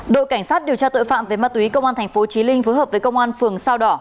đội cảnh sát điều tra tội phạm về ma túy công an tp chí linh phối hợp với công an phường sao đỏ